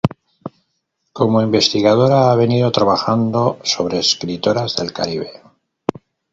Como investigadora, ha venido trabajando sobre escritoras del Caribe.